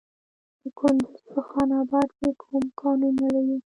د کندز په خان اباد کې کوم کانونه دي؟